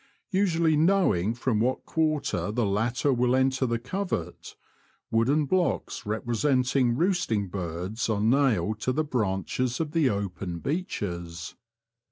Usually knowing from what quarter the latter will enter the covert, wooden blocks representing roosting birds are nailed to the branches of the open beeches.